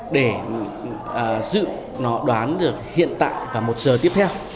để dự nó đoán được hiện tại và một giờ tiếp theo